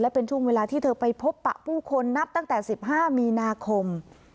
เป็นช่วงเวลาที่เธอไปพบปะผู้คนนับตั้งแต่๑๕มีนาคม